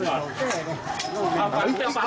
ออกมาออกมานิดเดียวออกมา